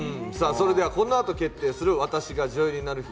このあと決定する「『私が女優になる日＿』」